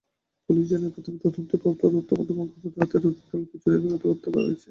Police জানায়, প্রাথমিক তদন্তে প্রাপ্ত তথ্যমতে, মঙ্গলবার রাতে রফিকুলকে ছুরিকাঘাতে হত্যা করা হয়েছে।